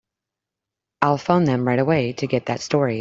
I'll phone them right away to get that story.